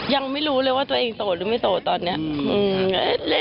ยังไม่รู้เลยว่าตัวเองโสดหรือไม่โสดตอนนี้